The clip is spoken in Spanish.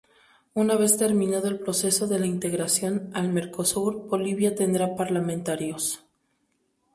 Una vez terminado el proceso de integración al Mercosur, Bolivia tendrá parlamentarios.